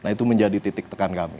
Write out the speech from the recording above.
nah itu menjadi titik tekan kami